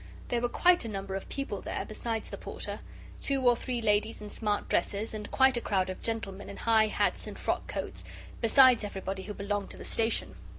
There were quite a number of people there besides the Porter two or three ladies in smart dresses, and quite a crowd of gentlemen in high hats and frock coats besides everybody who belonged to the station.